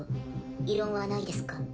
異論はないですか？